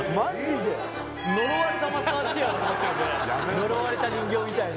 横尾：呪われた人形みたいに。